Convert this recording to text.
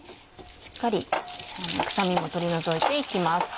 しっかり臭みも取り除いて行きます。